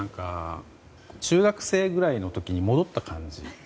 中学生ぐらいの時に戻った感じ。